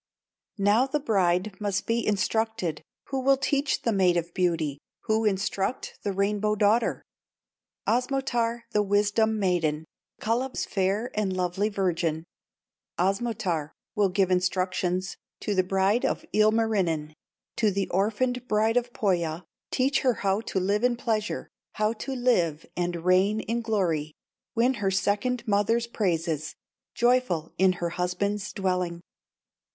Now the bride must be instructed, Who will teach the Maid of Beauty, Who instruct the Rainbow daughter? Osmotar, the wisdom maiden, Kalew's fair and lovely virgin, Osmotar will give instructions To the bride of Ilmarinen, To the orphaned bride of Pohya, Teach her how to live in pleasure, How to live and reign in glory, Win her second mother's praises, Joyful in her husband's dwelling.